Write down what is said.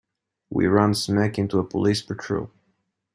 We run smack into a police patrol.